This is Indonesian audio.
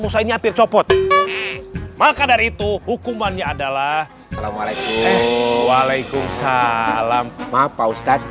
musainya hampir copot maka dari itu hukumannya adalah alaikum waalaikumsalam maaf pak ustadz